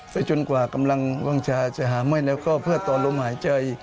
จนกว่ากำลังวางชาจะหาไม่แล้วก็เพื่อต่อลมหายใจ